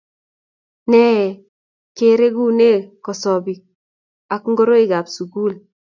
Née kerengung kosubkei ak ngoroikab sukul?